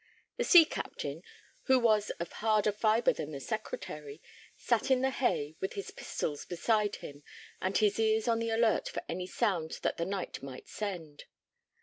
The sea captain, who was of harder fibre than the Secretary, sat in the hay with his pistols beside him and his ears on the alert for any sound that the night might send.